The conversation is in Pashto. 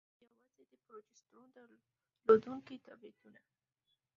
يوازې د پروجسترون درلودونكي ټابليټونه: